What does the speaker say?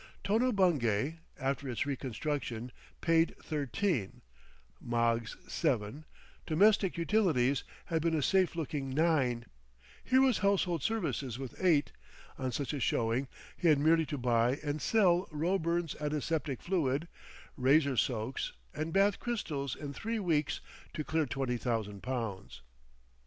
Tono Bungay, after its reconstruction, paid thirteen, Moggs seven, Domestic Utilities had been a safe looking nine; here was Household Services with eight; on such a showing he had merely to buy and sell Roeburn's Antiseptic fluid, Razor soaks and Bath crystals in three weeks to clear twenty thousand pounds.